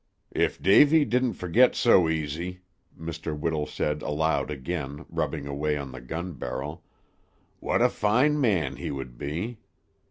"If Davy didn't forget so easy," Mr. Whittle said aloud again, rubbing away on the gun barrel, "what a fine man he would be!